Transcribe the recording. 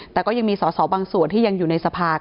แต่ยังมีส่อที่บางส่วนอยู่ในสภา